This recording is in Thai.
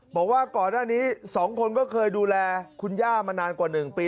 บอกว่าก่อนอันนี้สองคนก็เคยดูแลคุณย่ามานานกว่าหนึ่งปี